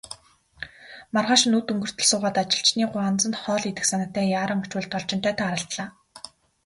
Маргааш нь үд өнгөртөл суугаад, ажилчны гуанзанд хоол идэх санаатай яаран очвол Должинтой тааралдлаа.